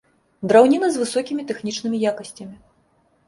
Драўніна з высокімі тэхнічнымі якасцямі.